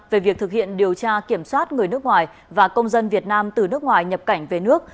về việc thực hiện điều tra kiểm soát người nước ngoài và công dân việt nam từ nước ngoài nhập cảnh về nước